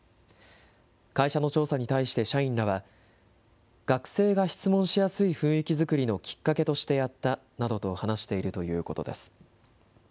会社の調査に対して社員らは、学生が質問しやすい雰囲気作りのきっかけとしてやったなどと話しているということです。